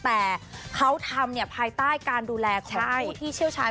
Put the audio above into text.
แต่เขาทำภายใต้การดูแลของผู้ที่เชี่ยวชาญ